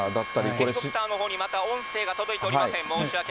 ヘリコプターのほうにまた音声が届いておりません。